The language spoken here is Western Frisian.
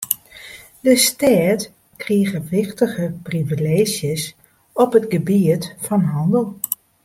De stêd krige wichtige privileezjes op it gebiet fan hannel.